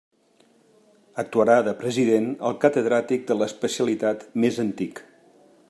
Actuarà de president el catedràtic de l'especialitat més antic.